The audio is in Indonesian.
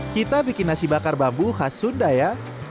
kita bikin nasi bakar bambu khas sunda ya